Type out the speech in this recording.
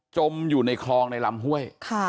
มอยู่ในคลองในลำห้วย